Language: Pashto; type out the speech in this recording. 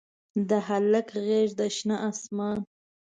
د هلک غیږ د شنه اسمان